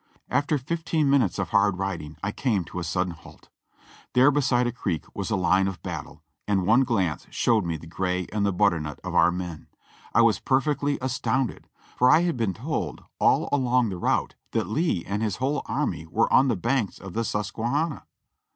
After fifteen minutes of hard riding I came to a sud den halt; there beside a creek was a line of battle, and one glance showed me the gray and butternut of our men. I was perfectly astounded, for I had been told all along the route that Lee and his whole army were on the banks of the Susquehanna.